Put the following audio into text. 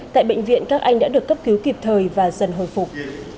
tại bệnh viện các anh đã được cấp cứu kịp thời và dần hồi phục